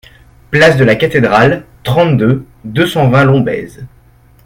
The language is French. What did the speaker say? Place de la Cathédrale, trente-deux, deux cent vingt Lombez